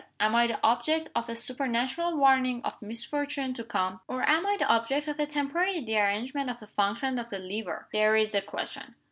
Am I the object of a supernatural warning of misfortune to come? Or am I the object of a temporary derangement of the functions of the liver? There is the question.